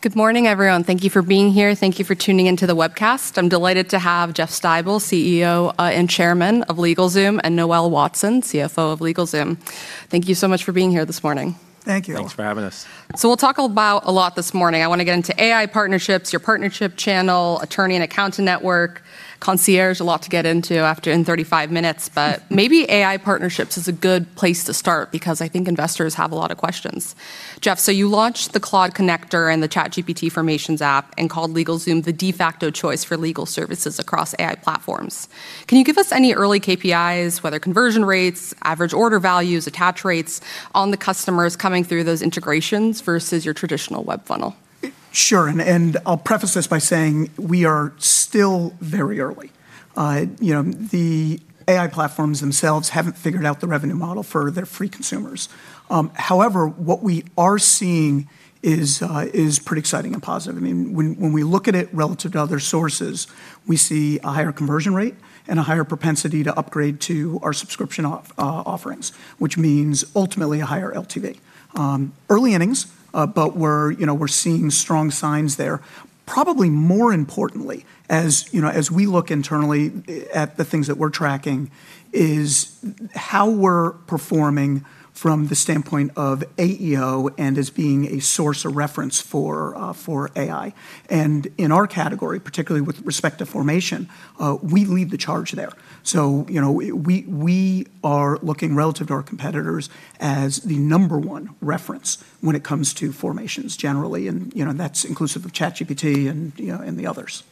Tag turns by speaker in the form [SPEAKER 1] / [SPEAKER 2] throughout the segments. [SPEAKER 1] Good morning, everyone. Thank you for being here. Thank you for tuning into the webcast. I'm delighted to have Jeff Stibel, CEO and Chairman of LegalZoom, and Noel Watson, CFO of LegalZoom. Thank you so much for being here this morning.
[SPEAKER 2] Thank you.
[SPEAKER 3] Thanks for having us.
[SPEAKER 1] We'll talk about a lot this morning. I want to get into AI partnerships, your partnership channel, attorney and accountant network, Concierge, a lot to get into after in 35 minutes. Maybe AI partnerships is a good place to start because I think investors have a lot of questions. Jeff, you launched the Cloud Connector and the ChatGPT Formations app and called LegalZoom the de facto choice for legal services across AI platforms. Can you give us any early KPIs, whether conversion rates, average order values, attach rates on the customers coming through those integrations versus your traditional web funnel?
[SPEAKER 2] Sure, I'll preface this by saying we are still very early. You know, the AI platforms themselves haven't figured out the revenue model for their free consumers. However, what we are seeing is pretty exciting and positive. I mean, when we look at it relative to other sources, we see a higher conversion rate and a higher propensity to upgrade to our subscription offerings, which means ultimately a higher LTV. Early innings, you know, we're seeing strong signs there. Probably more importantly, as you know, as we look internally at the things that we're tracking, is how we're performing from the standpoint of AEO and as being a source of reference for AI. In our category, particularly with respect to formation, we lead the charge there. You know, we are looking relative to our competitors as the number one reference when it comes to formations generally, and, you know, that's inclusive of ChatGPT and, you know, and the others.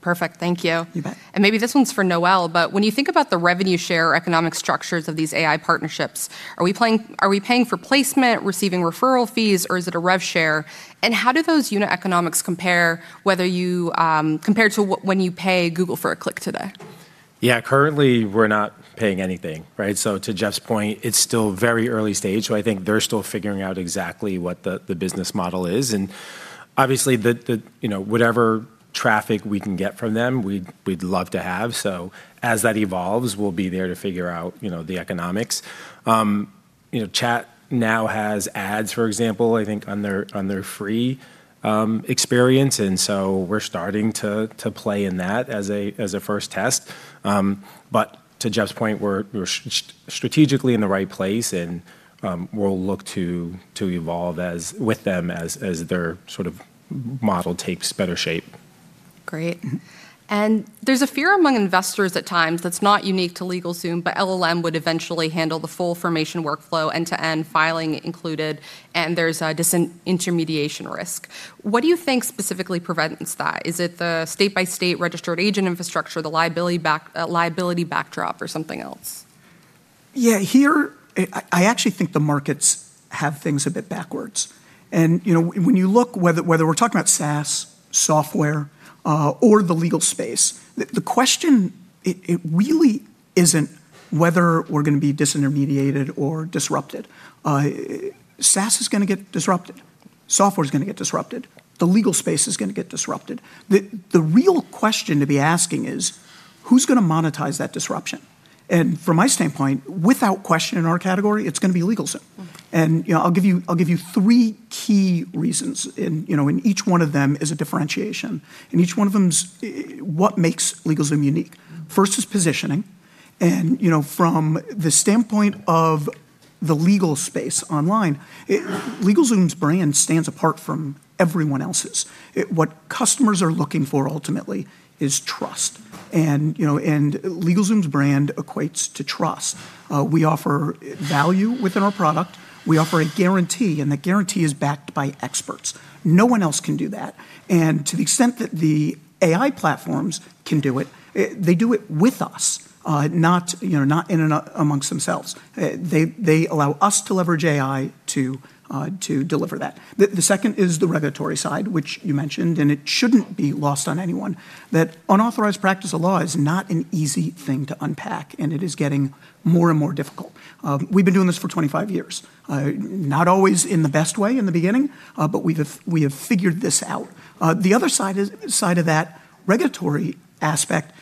[SPEAKER 1] Perfect. Thank you.
[SPEAKER 2] You bet.
[SPEAKER 1] Maybe this one's for Noel, but when you think about the revenue-share economic structures of these AI partnerships, are we paying for placement, receiving referral fees, or is it a revenue-share? How do those unit economics compare whether you compare to when you pay Google for a click today?
[SPEAKER 3] Yeah. Currently, we're not paying anything, right? To Jeff's point, it's still very early stage, I think they're still figuring out exactly what the business model is. Obviously, you know, whatever traffic we can get from them, we'd love to have. As that evolves, we'll be there to figure out, you know, the economics. You know, ChatGPT now has ads, for example, I think on their free experience, we're starting to play in that as a first test. To Jeff's point, we're strategically in the right place, we'll look to evolve with them as their sort of model takes better shape.
[SPEAKER 1] Great. There's a fear among investors at times that's not unique to LegalZoom, but LLM would eventually handle the full formation workflow end-to-end, filing included, and there's a disintermediation risk. What do you think specifically prevents that? Is it the state-by-state registered agent infrastructure, the liability backdrop or something else?
[SPEAKER 2] Yeah. Here, I actually think the markets have things a bit backwards. You know, when you look whether we're talking about SaaS, software, or the legal space, the question, it really isn't whether we're gonna be disintermediated or disrupted. SaaS is gonna get disrupted. Software's gonna get disrupted. The legal space is gonna get disrupted. The real question to be asking is, who's gonna monetize that disruption? From my standpoint, without question, in our category, it's gonna be LegalZoom. You know, I'll give you three key reasons and, you know, and each one of them is a differentiation, and each one of them is what makes LegalZoom unique. First is positioning. You know, from the standpoint of the legal space online, LegalZoom's brand stands apart from everyone else's. What customers are looking for ultimately is trust. You know, and LegalZoom's brand equates to trust. We offer value within our product. We offer a guarantee, and the guarantee is backed by experts. No one else can do that. To the extent that the AI platforms can do it, they do it with us, not, you know, not in and amongst themselves. They allow us to leverage AI to deliver that. The second is the regulatory side, which you mentioned. It shouldn't be lost on anyone that unauthorized practice of law is not an easy thing to unpack, and it is getting more and more difficult. We've been doing this for 25 years, not always in the best way in the beginning, but we have figured this out. The other side of that regulatory aspect is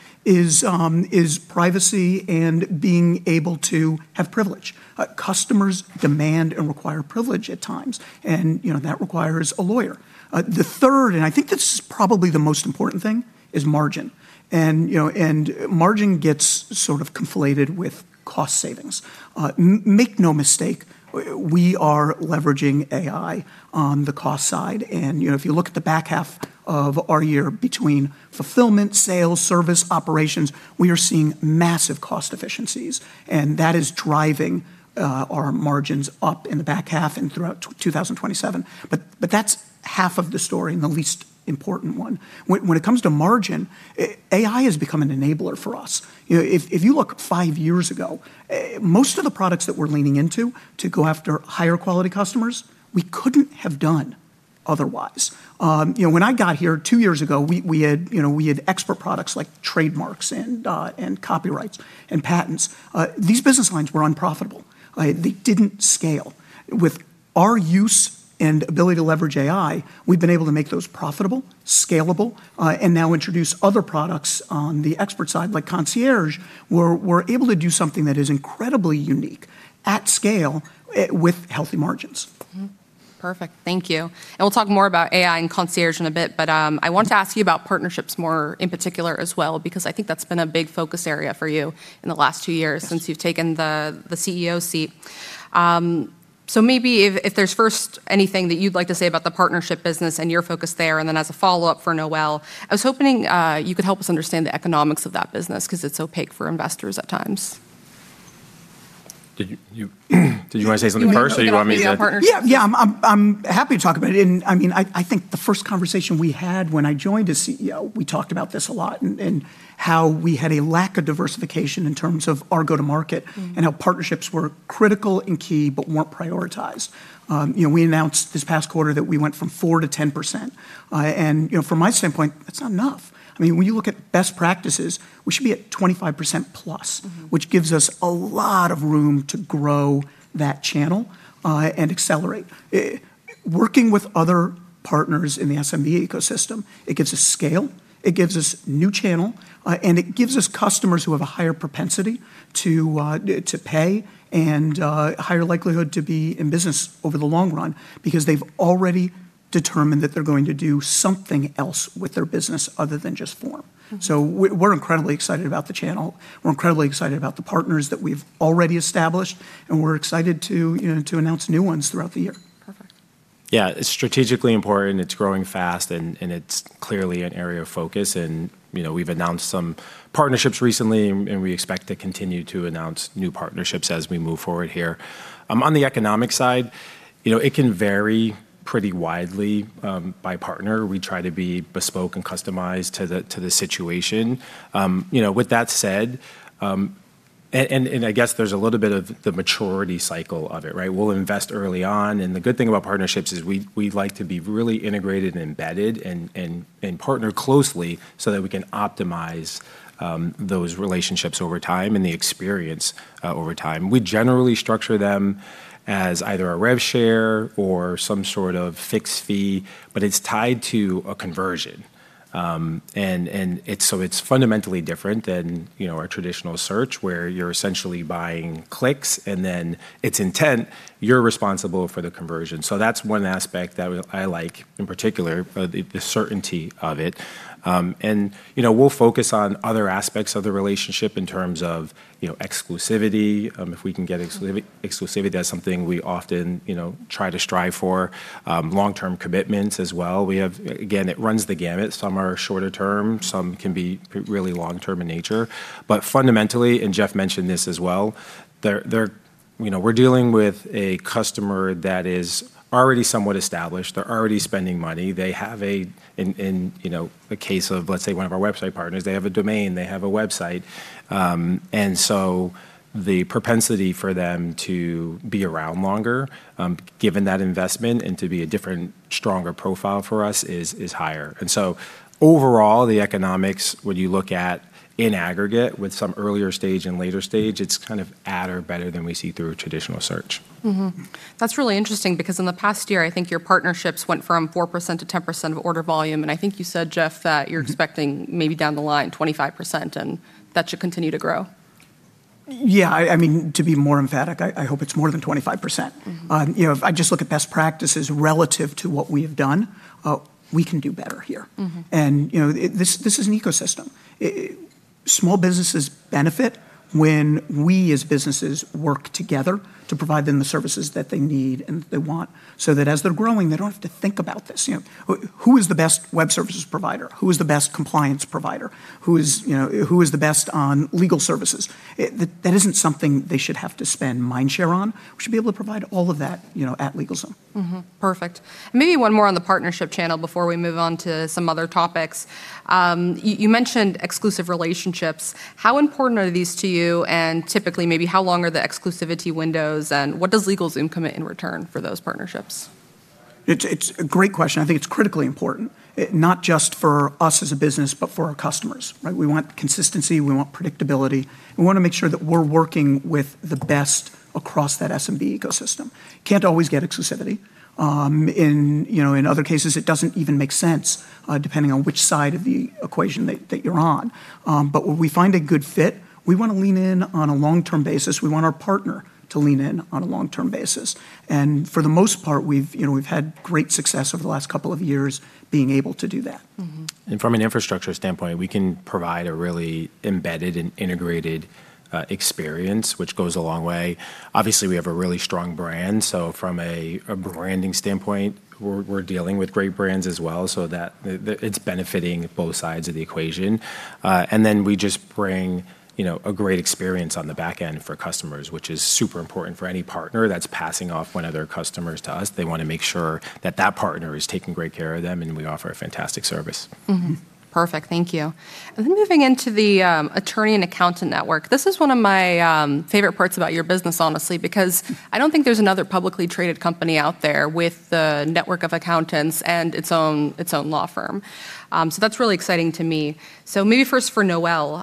[SPEAKER 2] privacy and being able to have privilege. Customers demand and require privilege at times, you know, that requires a lawyer. The third, I think this is probably the most important thing, is margin. You know, margin gets sort of conflated with cost savings. Make no mistake, we are leveraging AI on the cost side. You know, if you look at the back half of our year between fulfillment, sales, service, operations, we are seeing massive cost efficiencies, and that is driving our margins up in the back half and throughout 2027. That's half of the story and the least important one. When it comes to margin, AI has become an enabler for us. You know, if you look five years ago, most of the products that we're leaning into to go after higher quality customers, we couldn't have done otherwise. You know, when I got here two years ago, we had, you know, we had expert products like trademarks and copyrights and patents. These business lines were unprofitable. They didn't scale. With our use and ability to leverage AI, we've been able to make those profitable, scalable, and now introduce other products on the expert side, like Concierge, where we're able to do something that is incredibly unique at scale, with healthy margins.
[SPEAKER 1] Perfect. Thank you. We'll talk more about AI and Concierge in a bit, but I want to ask you about partnerships more in particular as well, because I think that's been a big focus area for you in the last two years.
[SPEAKER 3] Yes
[SPEAKER 1] since you've taken the CEO seat. maybe if there's first anything that you'd like to say about the partnership business and your focus there, and then as a follow-up for Noel Watson, I was hoping you could help us understand the economics of that business, 'cause it's opaque for investors at times.
[SPEAKER 3] Did you wanna say something first?
[SPEAKER 1] Do you wanna go-
[SPEAKER 3] Do you want me?
[SPEAKER 1] yeah, partnership.
[SPEAKER 2] Yeah. I'm happy to talk about it. I mean, I think the first conversation we had when I joined as CEO, we talked about this a lot and how we had a lack of diversification in terms of our. How partnerships were critical and key but weren't prioritized. You know, we announced this past quarter that we went from 4% to 10%. You know, from my standpoint, that's not enough. I mean, when you look at best practices, we should be at +25%. which gives us a lot of room to grow that channel, and accelerate. Working with other partners in the SMB ecosystem, it gives us scale, it gives us new channel, and it gives us customers who have a higher propensity to pay and higher likelihood to be in business over the long run because they've already determined that they're going to do something else with their business other than just form. We're incredibly excited about the channel. We're incredibly excited about the partners that we've already established, and we're excited to, you know, to announce new ones throughout the year.
[SPEAKER 1] Perfect.
[SPEAKER 3] Yeah. It's strategically important, it's growing fast, and it's clearly an area of focus. You know, we've announced some partnerships recently and we expect to continue to announce new partnerships as we move forward here. On the economic side, you know, it can vary pretty widely by partner. We try to be bespoke and customized to the situation. You know, with that said, I guess there's a little bit of the maturity cycle of it, right? We'll invest early on, and the good thing about partnerships is we like to be really integrated and embedded and partner closely so that we can optimize those relationships over time and the experience over time. We generally structure them as either a revenue-share or some sort of fixed fee, but it's tied to a conversion. It's fundamentally different than, you know, a traditional search where you're essentially buying clicks and then it's intent, you're responsible for the conversion. That's one aspect that I like in particular, the certainty of it. You know, we'll focus on other aspects of the relationship in terms of, you know, exclusivity, if we can get exclusivity. that's something we often, you know, try to strive for. Long-term commitments as well. We have again, it runs the gamut. Some are shorter term. some can be really long-term in nature. Fundamentally, and Jeff mentioned this as well, they're You know, we're dealing with a customer that is already somewhat established. They're already spending money. They have a, you know, a case of, let's say one of our website partners, they have a domain, they have a website. The propensity for them to be around longer, given that investment and to be a different, stronger profile for us is higher. Overall, the economics, when you look at in aggregate with some earlier stage and later stage, it's kind of at or better than we see through a traditional search.
[SPEAKER 1] That's really interesting because in the past year, I think your partnerships went from 4% to 10% of order volume, and I think you said, Jeff. expecting maybe down the line 25% and that should continue to grow.
[SPEAKER 2] Yeah. I mean, to be more emphatic, I hope it's more than 25%. You know, if I just look at best practices relative to what we have done, we can do better here. You know, this is an ecosystem. Small businesses benefit when we as businesses work together to provide them the services that they need and they want, so that as they're growing, they don't have to think about this. You know, who is the best web services provider? Who is the best compliance provider? Who is, you know, who is the best on legal services? That isn't something they should have to spend mind share on. We should be able to provide all of that, you know, at LegalZoom.
[SPEAKER 1] Perfect. Maybe one more on the partnership channel before we move on to some other topics. You mentioned exclusive relationships. How important are these to you? Typically, maybe how long are the exclusivity windows, and what does LegalZoom commit in return for those partnerships?
[SPEAKER 2] It's a great question. I think it's critically important, not just for us as a business, but for our customers, right? We want consistency. We want predictability. We wanna make sure that we're working with the best across that SMB ecosystem. Can't always get exclusivity. In, you know, in other cases, it doesn't even make sense, depending on which side of the equation that you're on. When we find a good fit, we wanna lean in on a long-term basis. We want our partner to lean in on a long-term basis. For the most part, we've, you know, we've had great success over the last couple of years being able to do that.
[SPEAKER 3] From an infrastructure standpoint, we can provide a really embedded and integrated experience, which goes a long way. Obviously, we have a really strong brand, so from a branding standpoint, we're dealing with great brands as well so that the it's benefiting both sides of the equation. We just bring, you know, a great experience on the back end for customers, which is super important for any partner that's passing off one of their customers to us. They wanna make sure that that partner is taking great care of them, and we offer a fantastic service.
[SPEAKER 1] Perfect. Thank you. Moving into the attorney and accountant network, this is one of my favorite parts about your business, honestly, because I don't think there's another publicly traded company out there with a network of accountants and its own law firm. That's really exciting to me. Maybe first for Noel,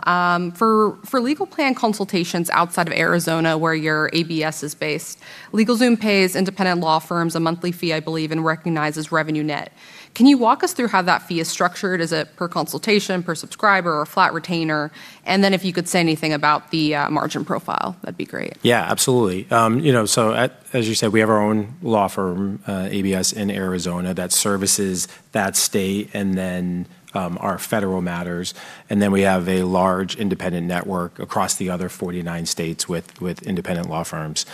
[SPEAKER 1] for legal plan consultations outside of Arizona where your ABS is based, LegalZoom pays independent law firms a monthly fee, I believe, and recognizes revenue net. Can you walk us through how that fee is structured? Is it per consultation, per subscriber, or flat retainer? If you could say anything about the margin profile, that'd be great.
[SPEAKER 3] Yeah, absolutely. As you said, we have our own law firm, ABS in Arizona that services that state, and then our federal matters, and then we have a large independent network across the other 49 states with independent law firms.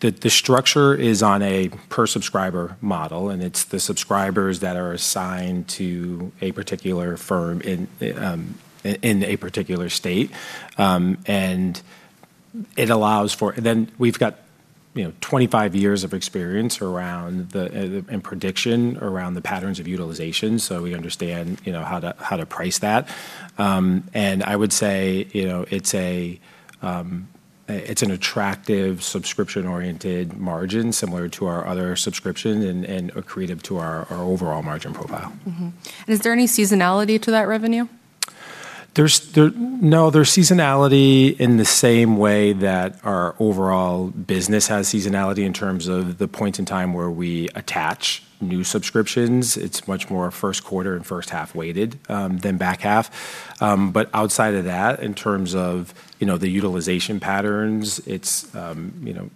[SPEAKER 3] The structure is on a per subscriber model, and it's the subscribers that are assigned to a particular firm in a particular state. Then we've got, you know, 25 years of experience around the in prediction around the patterns of utilization, so we understand, you know, how to price that. I would say, you know, it's an attractive subscription-oriented margin similar to our other subscription and accretive to our overall margin profile.
[SPEAKER 1] Is there any seasonality to that revenue?
[SPEAKER 3] There's seasonality in the same way that our overall business has seasonality in terms of the point in time where we attach new subscriptions. It's much more first quarter and first half weighted than back half. Outside of that, in terms of, you know, the utilization patterns, it's, you know,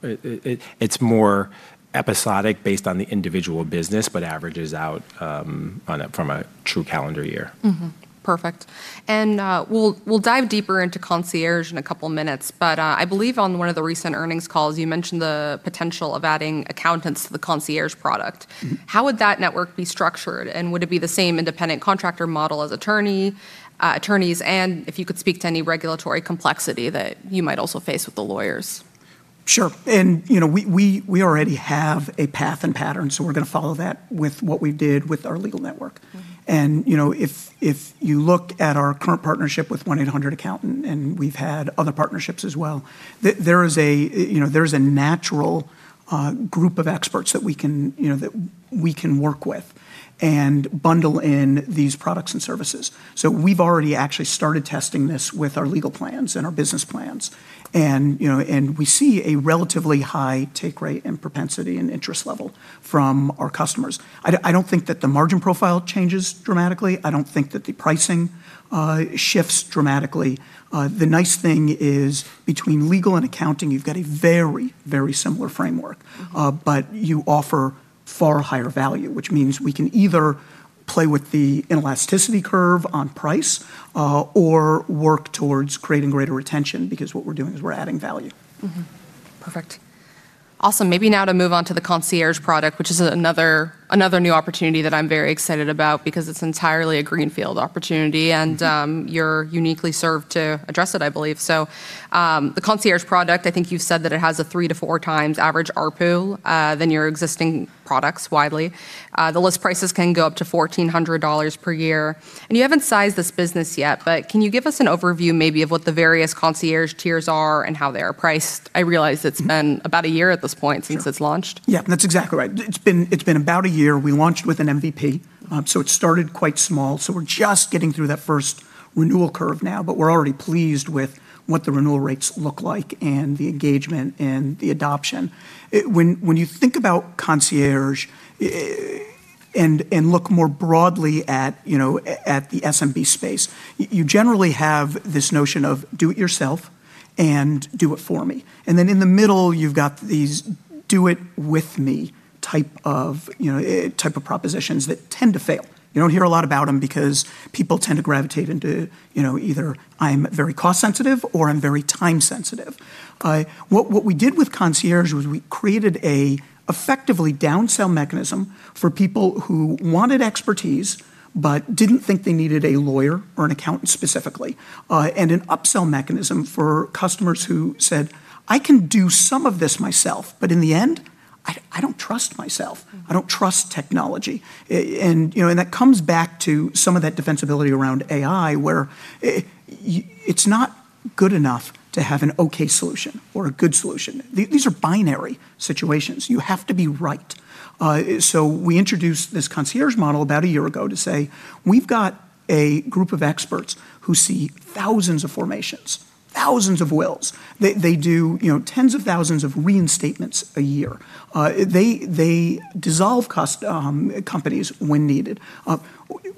[SPEAKER 3] it's more episodic based on the individual business, but averages out from a true calendar year.
[SPEAKER 1] Perfect. We'll dive deeper into Concierge in a couple minutes. I believe on one of the recent earnings calls you mentioned the potential of adding accountants to the Concierge product. How would that network be structured, and would it be the same independent contractor model as attorneys? If you could speak to any regulatory complexity that you might also face with the lawyers.
[SPEAKER 2] Sure. You know, we already have a path and pattern, so we're gonna follow that with what we did with our legal network. You know, if you look at our current partnership with 1-800Accountant, and we've had other partnerships as well, there is a, you know, there is a natural group of experts that we can, you know, that we can work with and bundle in these products and services. We've already actually started testing this with our legal plans and our business plans and, you know, and we see a relatively high take rate and propensity and interest level from our customers. I don't think that the margin profile changes dramatically. I don't think that the pricing shifts dramatically. The nice thing is between legal and accounting, you've got a very similar framework. You offer far higher value, which means we can either play with the inelasticity curve on price, or work towards creating greater retention because what we're doing is we're adding value.
[SPEAKER 1] Mm-hmm. Perfect. Awesome. Maybe now to move on to the Concierge product, which is another new opportunity that I'm very excited about because it's entirely a greenfield opportunity. You're uniquely served to address it, I believe. The Concierge product, I think you've said that it has a 3x to 4x average ARPU than your existing products widely. The list prices can go up to $1,400 per year. You haven't sized this business yet, but can you give us an overview maybe of what the various Concierge tiers are and how they are priced? I realize it's been about 1 year at this point.
[SPEAKER 2] Sure
[SPEAKER 1] since it's launched.
[SPEAKER 2] Yeah, that's exactly right. It's been about a year. We launched with an MVP, it started quite small. We're just getting through that first renewal curve now, but we're already pleased with what the renewal rates look like and the engagement and the adoption. When you think about Concierge, and look more broadly at, you know, at the SMB space, you generally have this notion of do it yourself and do it for me, and then in the middle you've got these do it with me type of, you know, type of propositions that tend to fail. You don't hear a lot about them because people tend to gravitate into, you know, either I'm very cost sensitive or I'm very time sensitive. What we did with Concierge was we created a effectively downsell mechanism for people who wanted expertise but didn't think they needed a lawyer or an accountant specifically, and an upsell mechanism for customers who said, "I can do some of this myself, but in the end, I don't trust myself. I don't trust technology." You know, that comes back to some of that defensibility around AI, where it's not good enough to have an okay solution or a good solution. These are binary situations. You have to be right. We introduced this Concierge model about a year ago to say, "We've got a group of experts who see thousands of formations, thousands of wills. They do, you know, tens of thousands of reinstatements a year. They dissolve companies when needed.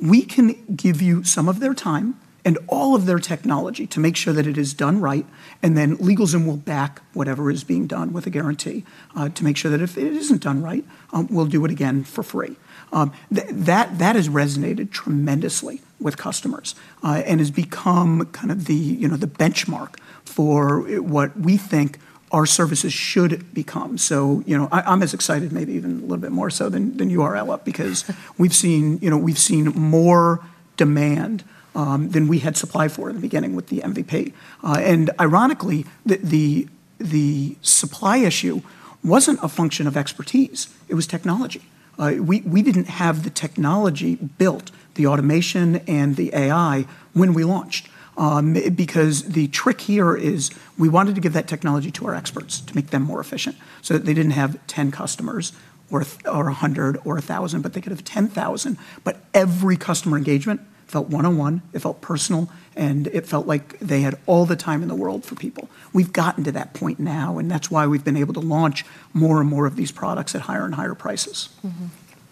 [SPEAKER 2] We can give you some of their time and all of their technology to make sure that it is done right, and then LegalZoom will back whatever is being done with a guarantee to make sure that if it isn't done right, we'll do it again for free." That has resonated tremendously with customers and has become kind of the, you know, the benchmark for what we think our services should become. You know, I'm as excited maybe even a little bit more so than you are, Ella, because we've seen, you know, we've seen more demand than we had supply for in the beginning with the MVP. And ironically, the supply issue wasn't a function of expertise, it was technology. We, we didn't have the technology built, the automation and the AI, when we launched, because the trick here is we wanted to give that technology to our experts to make them more efficient so that they didn't have 10 customers or 100 or 1,000, but they could have 10,000. Every customer engagement felt one-on-one, it felt personal, and it felt like they had all the time in the world for people. We've gotten to that point now, and that's why we've been able to launch more and more of these products at higher and higher prices.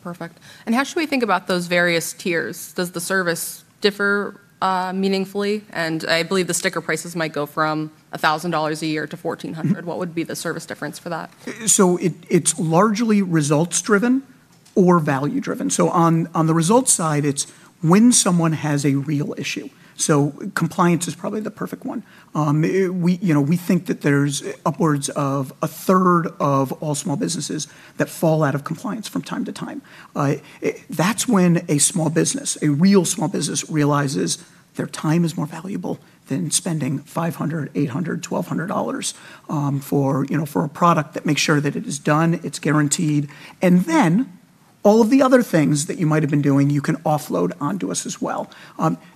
[SPEAKER 1] Perfect. How should we think about those various tiers? Does the service differ meaningfully? I believe the sticker prices might go from $1,000 a year to $1,400. What would be the service difference for that?
[SPEAKER 2] It's largely results driven or value driven. On the results side, it's when someone has a real issue. We, you know, we think that there's upwards of a third of all small businesses that fall out of compliance from time to time. That's when a real small business realizes their time is more valuable than spending $500, $800, $1,200 for, you know, for a product that makes sure that it is done, it's guaranteed. All of the other things that you might have been doing, you can offload onto us as well.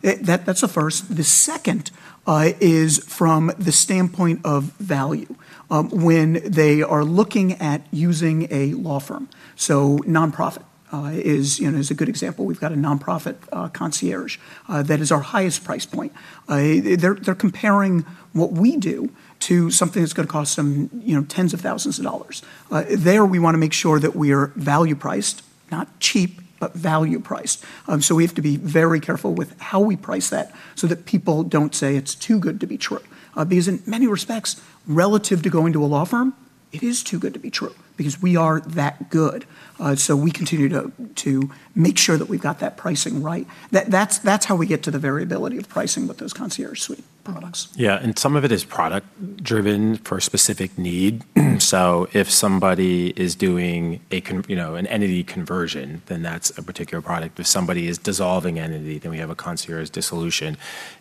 [SPEAKER 2] That's the first. The second is from the standpoint of value when they are looking at using a law firm. Nonprofit, you know, is a good example. We've got a nonprofit, Concierge, that is our highest price point. They're comparing what we do to something that's gonna cost them, you know, tens of thousands of dollars. There we wanna make sure that we are value priced, not cheap, but value priced. We have to be very careful with how we price that so that people don't say it's too good to be true. Because in many respects, relative to going to a law firm, it is too good to be true because we are that good. We continue to make sure that we've got that pricing right. That's how we get to the variability of pricing with those Concierge suite products.
[SPEAKER 3] Yeah, some of it is product driven for a specific need. If somebody is doing you know, an entity conversion, then that's a particular product. If somebody is dissolving an entity, then we have a Concierge dissolution.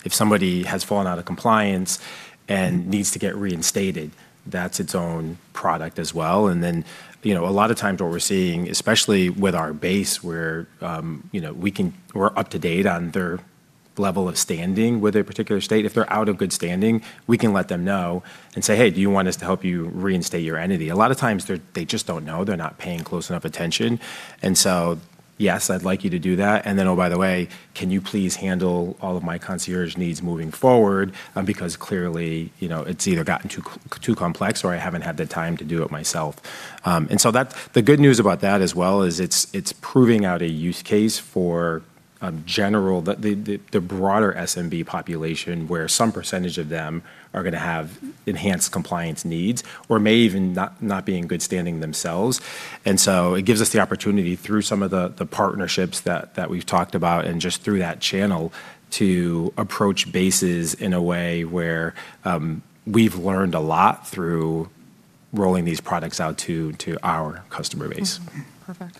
[SPEAKER 3] If somebody has fallen out of compliance and needs to get reinstated, that's its own product as well. Then, you know, a lot of times what we're seeing, especially with our base where, you know, we're up to date on their level of standing with a particular state. If they're out of good standing, we can let them know and say, "Hey, do you want us to help you reinstate your entity?" A lot of times they just don't know. They're not paying close enough attention. Yes, I'd like you to do that. Oh, by the way, can you please handle all of my Concierge needs moving forward? Because clearly, you know, it's either gotten too complex or I haven't had the time to do it myself. The good news about that as well is it's proving out a use case for a general, the broader SMB population where some percentage of them are gonna have enhanced compliance needs or may even not be in good standing themselves. It gives us the opportunity through some of the partnerships that we've talked about and just through that channel to approach bases in a way where we've learned a lot through rolling these products out to our customer base.
[SPEAKER 1] Mm-hmm. Perfect.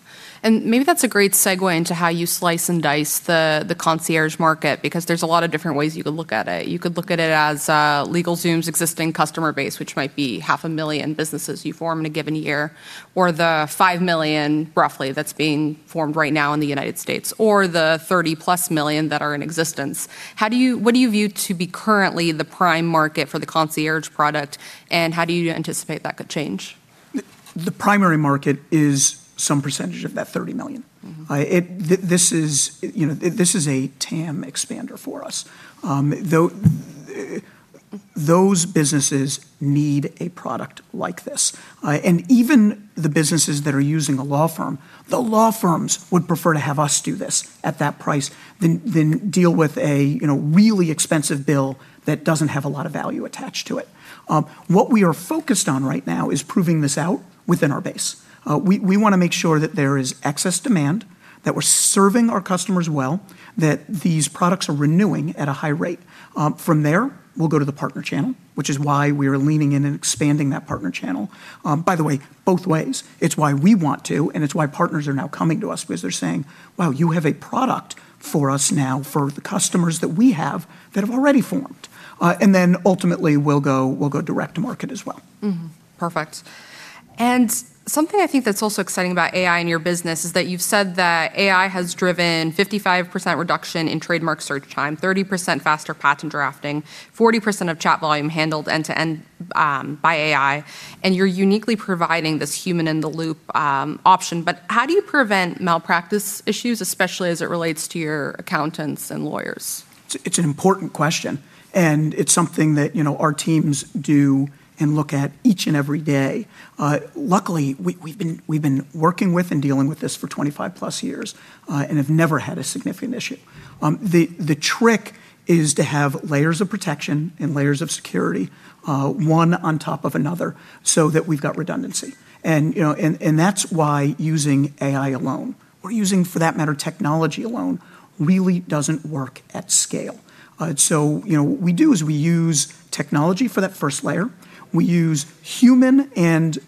[SPEAKER 1] Maybe that's a great segue into how you slice and dice the Concierge market, because there's a lot of different ways you could look at it. You could look at it as LegalZoom's existing customer base, which might be half a million businesses you form in a given year, or the $5 million roughly that's being formed right now in the United States, or the +$30 million that are in existence. What do you view to be currently the prime market for the Concierge product, and how do you anticipate that could change?
[SPEAKER 2] The primary market is some percentage of that $30 million. This is, you know, this is a TAM expander for us. Those businesses need a product like this. Even the businesses that are using a law firm, the law firms would prefer to have us do this at that price than deal with a, you know, really expensive bill that doesn't have a lot of value attached to it. What we are focused on right now is proving this out within our base. We wanna make sure that there is excess demand, that we're serving our customers well, that these products are renewing at a high rate. From there, we'll go to the partner channel, which is why we are leaning in and expanding that partner channel. By the way, both ways, it's why we want to and it's why partners are now coming to us because they're saying, "Wow, you have a product for us now for the customers that we have that have already formed." Ultimately we'll go direct to market as well.
[SPEAKER 1] Perfect. Something I think that's also exciting about AI in your business is that you've said that AI has driven 55% reduction in trademark search time, 30% faster patent drafting, 40% of chat volume handled end to end by AI, and you're uniquely providing this human in the loop option. How do you prevent malpractice issues, especially as it relates to your accountants and lawyers?
[SPEAKER 2] It's an important question, and it's something that, you know, our teams do and look at each and every day. Luckily, we've been working with and dealing with this for 25+ years, and have never had a significant issue. The trick is to have layers of protection and layers of security, one on top of another so that we've got redundancy. You know, and that's why using AI alone or using, for that matter, technology alone really doesn't work at scale. You know, what we do is we use technology for that first layer. We use human and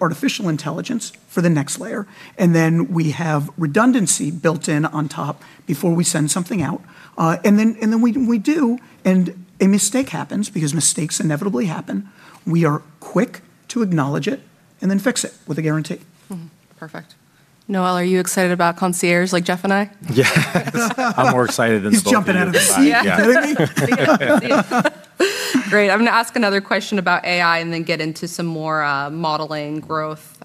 [SPEAKER 2] artificial intelligence for the next layer, we have redundancy built in on top before we send something out. We do and a mistake happens because mistakes inevitably happen. We are quick to acknowledge it and then fix it with a guarantee.
[SPEAKER 1] Perfect. Noel, are you excited about Concierge like Jeff and I?
[SPEAKER 3] Yeah. I'm more excited than both of you combined.
[SPEAKER 2] He's jumping out of his seat.
[SPEAKER 1] Yeah.
[SPEAKER 3] Yeah.
[SPEAKER 1] Great. I'm gonna ask another question about AI and then get into some more modeling growth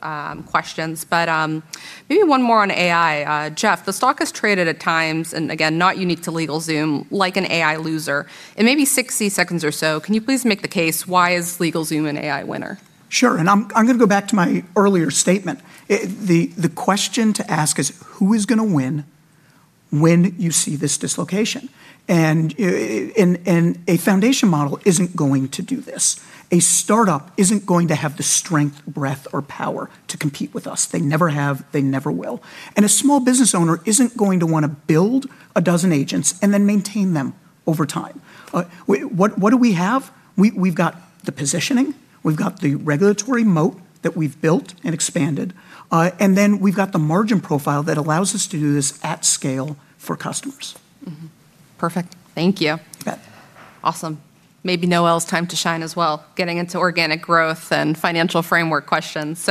[SPEAKER 1] questions. Maybe one more on AI. Jeff, the stock has traded at times, and again, not unique to LegalZoom, like an AI loser. In maybe 60 seconds or so, can you please make the case why is LegalZoom an AI winner.
[SPEAKER 2] Sure. I'm going to go back to my earlier statement. The question to ask is who is going to win when you see this dislocation? A foundation model isn't going to do this. A startup isn't going to have the strength, breadth, or power to compete with us. They never have, they never will. A small business owner isn't going to want to build a dozen agents and then maintain them over time. What do we have? We've got the positioning, we've got the regulatory moat that we've built and expanded, we've got the margin profile that allows us to do this at scale for customers.
[SPEAKER 1] Perfect. Thank you.
[SPEAKER 2] You bet.
[SPEAKER 1] Awesome. Maybe Noel's time to shine as well, getting into organic growth and financial framework questions.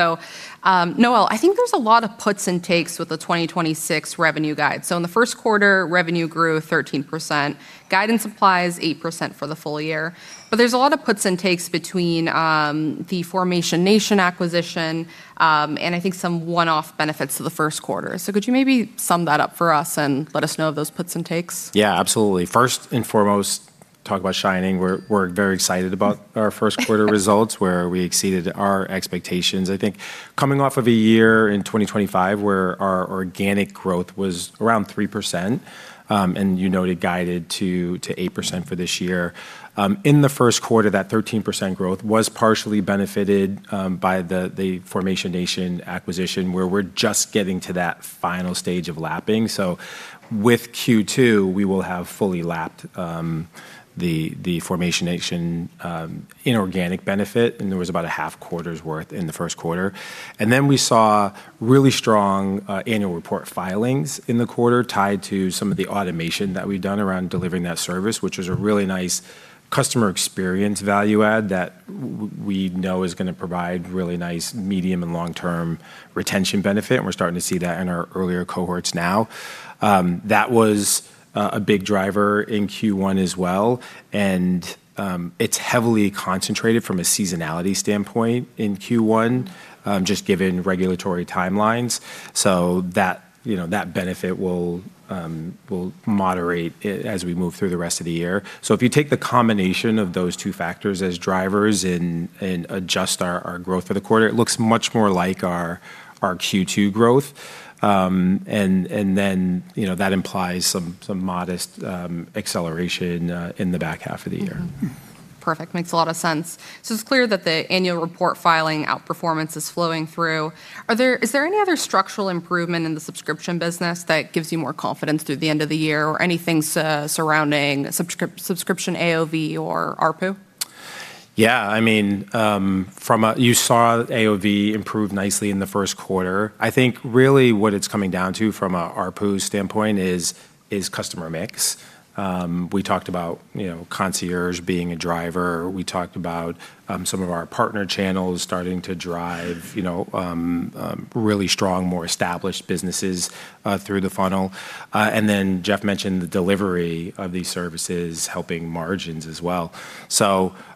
[SPEAKER 1] Noel, I think there's a lot of puts and takes with the 2026 revenue guide. In the first quarter, revenue grew 13%. Guidance applies 8% for the full year. There's a lot of puts and takes between the Formation Nation acquisition and I think some one-off benefits to the first quarter. Could you maybe sum that up for us and let us know of those puts and takes?
[SPEAKER 3] Yeah, absolutely. First and foremost, talk about shining. We're very excited about our first quarter results, where we exceeded our expectations. I think coming off of a year in 2025 where our organic growth was around 3%, and you noted guided to 8% for this year. In the first quarter, that 13% growth was partially benefited by the Formation Nation acquisition, where we're just getting to that final stage of lapping. With Q2, we will have fully lapped the Formation Nation inorganic benefit, and there was about a half quarter's worth in the first quarter. We saw really strong annual report filings in the quarter tied to some of the automation that we've done around delivering that service, which is a really nice customer experience value add that we know is gonna provide really nice medium and long-term retention benefit, and we're starting to see that in our earlier cohorts now. That was a big driver in Q1 as well, and it's heavily concentrated from a seasonality standpoint in Q1, just given regulatory timelines. That, you know, that benefit will moderate as we move through the rest of the year. If you take the combination of those two factors as drivers and adjust our growth for the quarter, it looks much more like our Q2 growth. you know, that implies some modest acceleration in the back half of the year.
[SPEAKER 1] Perfect. Makes a lot of sense. It's clear that the annual report filing outperformance is flowing through. Is there any other structural improvement in the subscription business that gives you more confidence through the end of the year or anything surrounding subscription AOV or ARPU?
[SPEAKER 3] Yeah, I mean, you saw AOV improve nicely in the first quarter. I think really what it's coming down to from a ARPU standpoint is customer mix. We talked about, you know, Concierge being a driver. We talked about some of our partner channels starting to drive, you know, really strong, more established businesses through the funnel. Jeff mentioned the delivery of these services helping margins as well.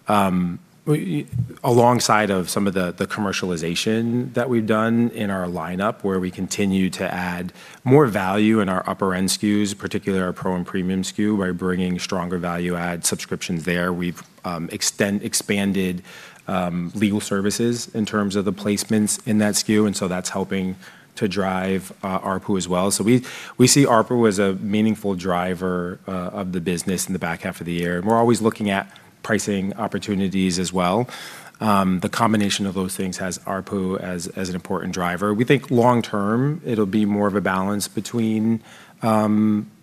[SPEAKER 3] Alongside of some of the commercialization that we've done in our lineup, where we continue to add more value in our upper end SKUs, particularly our pro and premium SKU, by bringing stronger value add subscriptions there. We've expanded legal services in terms of the placements in that SKU, that's helping to drive ARPU as well. We see ARPU as a meaningful driver of the business in the back half of the year, and we're always looking at pricing opportunities as well. The combination of those things has ARPU as an important driver. We think long term, it'll be more of a balance between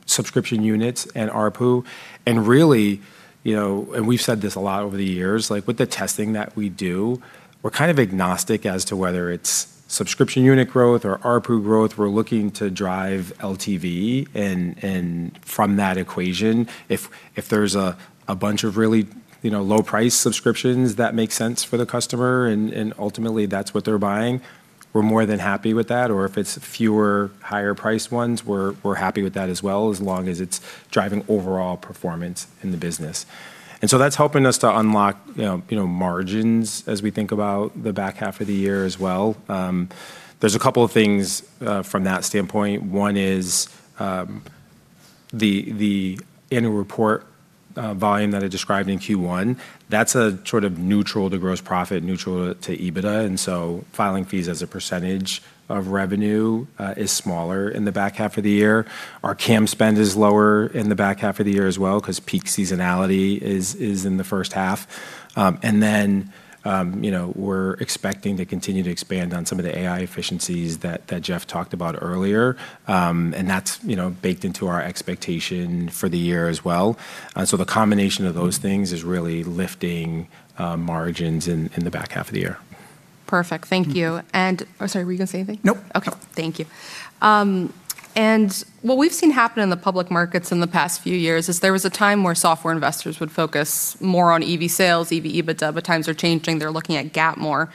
[SPEAKER 3] subscription units and ARPU. Really, you know, and we've said this a lot over the years, like with the testing that we do, we're kind of agnostic as to whether it's subscription unit growth or ARPU growth. We're looking to drive LTV and from that equation, if there's a bunch of really, you know, low price subscriptions that make sense for the customer and ultimately that's what they're buying, we're more than happy with that. If it's fewer higher priced ones, we're happy with that as well, as long as it's driving overall performance in the business. That's helping us to unlock, you know, you know, margins as we think about the back half of the year as well. There's a couple of things from that standpoint. One is the annual report volume that I described in Q1. That's a sort of neutral to gross profit, neutral to EBITDA, filing fees as a percentage of revenue is smaller in the back half of the year. Our CAM spend is lower in the back half of the year as well 'cause peak seasonality is in the first half. You know, we're expecting to continue to expand on some of the AI efficiencies that Jeff talked about earlier. That's, you know, baked into our expectation for the year as well. The combination of those things is really lifting margins in the back half of the year.
[SPEAKER 1] Perfect. Thank you. Oh, sorry, were you gonna say anything?
[SPEAKER 2] Nope.
[SPEAKER 1] Okay. Thank you. What we've seen happen in the public markets in the past few years is there was a time where software investors would focus more on EV sales, EV EBITDA, but times are changing. They're looking at GAAP more.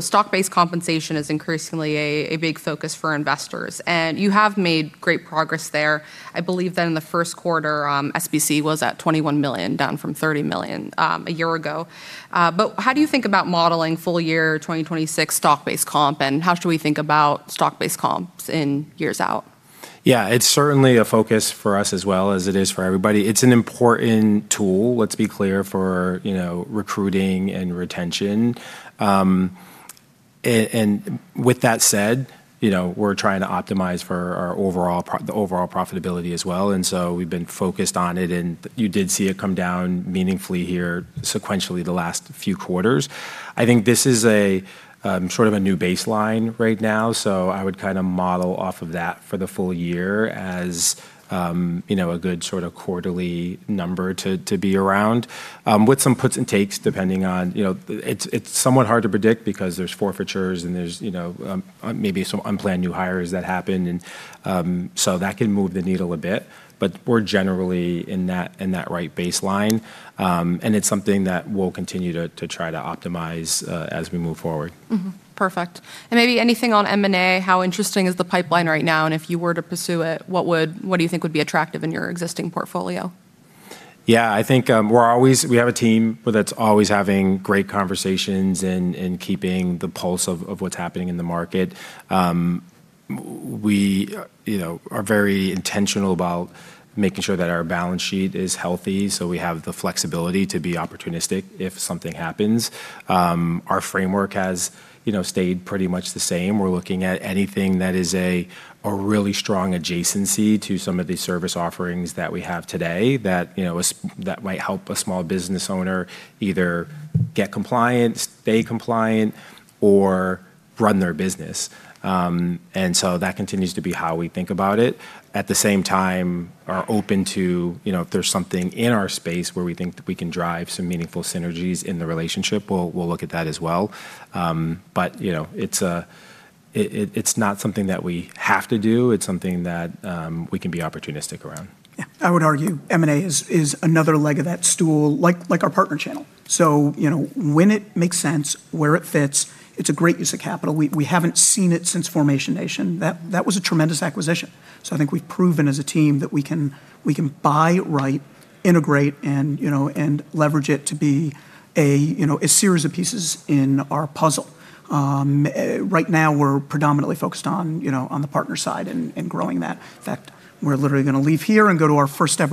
[SPEAKER 1] Stock-based compensation is increasingly a big focus for investors, and you have made great progress there. I believe that in the first quarter, SBC was at $21 million, down from $30 million a year ago. How do you think about modeling full year 2026 stock-based comp, and how should we think about stock-based comps in years out?
[SPEAKER 3] Yeah, it's certainly a focus for us as well as it is for everybody. It's an important tool, let's be clear, for, you know, recruiting and retention. With that said, you know, we're trying to optimize for our overall the overall profitability as well. We've been focused on it, and you did see it come down meaningfully here sequentially the last few quarters. I think this is a sort of a new baseline right now, so I would kinda model off of that for the full year as, you know, a good sorta quarterly number to be around. With some puts and takes, depending on, you know, it's somewhat hard to predict because there's forfeitures and there's, you know, maybe some unplanned new hires that happen and that can move the needle a bit. We're generally in that right baseline, and it's something that we'll continue to try to optimize as we move forward.
[SPEAKER 1] Perfect. Maybe anything on M&A, how interesting is the pipeline right now? If you were to pursue it, what do you think would be attractive in your existing portfolio?
[SPEAKER 3] Yeah, I think, we have a team that's always having great conversations and keeping the pulse of what's happening in the market. We, you know, are very intentional about making sure that our balance sheet is healthy so we have the flexibility to be opportunistic if something happens. Our framework has, you know, stayed pretty much the same. We're looking at anything that is a really strong adjacency to some of the service offerings that we have today that, you know, that might help a small business owner either get compliant, stay compliant, or run their business. That continues to be how we think about it. At the same time, are open to, you know, if there's something in our space where we think that we can drive some meaningful synergies in the relationship, we'll look at that as well. You know, it's not something that we have to do, it's something that we can be opportunistic around.
[SPEAKER 2] Yeah. I would argue M&A is another leg of that stool, like our partner channel. You know, when it makes sense, where it fits, it's a great use of capital. We haven't seen it since Formation Nation. That was a tremendous acquisition. I think we've proven as a team that we can buy right, integrate, and, you know, and leverage it to be a, you know, a series of pieces in our puzzle. Right now we're predominantly focused on, you know, on the partner side and growing that. In fact, we're literally gonna leave here and go to our first ever.